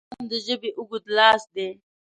قلم د ژبې اوږد لاس دی